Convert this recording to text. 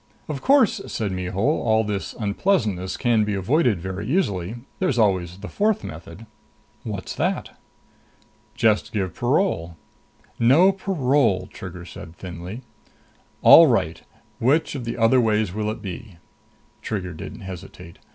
"Of course," said Mihul, "all this unpleasantness can be avoided very easily. There's always the fourth method." "What's that?" "Just give parole." "No parole," Trigger said thinly. "All right. Which of the other ways will it be?" Trigger didn't hesitate.